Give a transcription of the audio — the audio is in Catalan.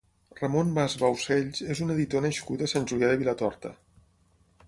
Ramon Mas Baucells és un editor nascut a Sant Julià de Vilatorta.